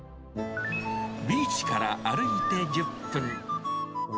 ビーチから歩いて１０分。